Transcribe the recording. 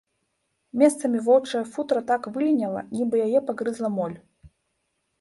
Месцамі воўчая футра так выліняла, нібы яе пагрызла моль.